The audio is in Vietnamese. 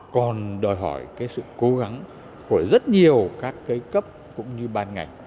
còn đòi hỏi sự cố gắng của rất nhiều các cấp cũng như ban ngành